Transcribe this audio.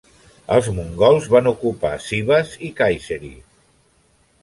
Els mongols van ocupar Sivas i Kayseri.